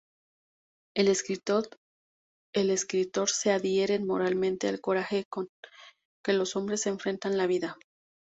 El escritor se adhiere moralmente al coraje con que los hombres enfrentan la vida.